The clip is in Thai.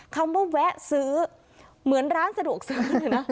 คำว่าแวะซื้อเหมือนร้านสะดวกซื้อเลยนะ